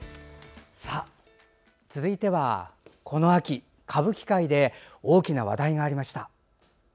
続いては、この秋歌舞伎界で大きな話題がありました。